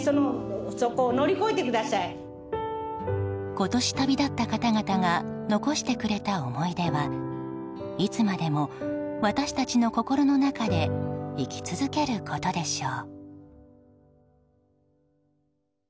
今年旅立った方々が残してくれた思い出はいつまでも、私たちの心の中で生き続けることでしょう。